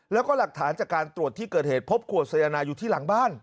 แล้วก็หลักฐานจากการตรวจที่เกิดเหตุพบขวดสายนายอยู่ที่หลังบ้าน